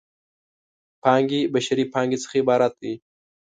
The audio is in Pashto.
پانګې بشري پانګې څخه عبارت دی.